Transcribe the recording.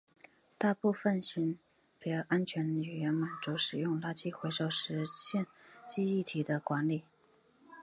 大部分型别安全的语言满足使用垃圾回收实现记忆体的管理。